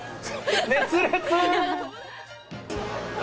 熱烈！